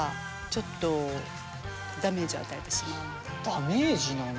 ダメージなんだ。